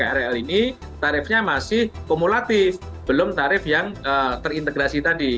tapi kalau untuk gate nya di krl ini tarifnya masih kumulatif belum tarif yang terintegrasi tadi